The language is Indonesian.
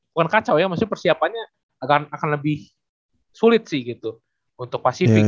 bukan kacau ya maksudnya persiapannya akan lebih sulit sih gitu untuk pasifik